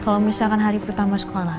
kalau misalkan hari pertama sekolah